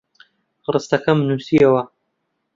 ڕستەکەم نووسییەوە.